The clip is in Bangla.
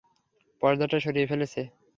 পর্দাটা সরিয়ে ফেলেছ?